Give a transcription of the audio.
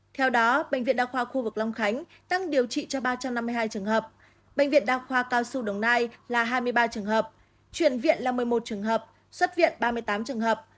theo đó bệnh viện đa khoa khu vực long khánh tăng điều trị cho ba trăm năm mươi hai trường hợp bệnh viện đa khoa cao xu đồng nai là hai mươi ba trường hợp chuyển viện là một mươi một trường hợp xuất viện ba mươi tám trường hợp